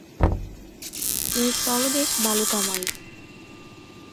এর তলদেশ বালুকাময়।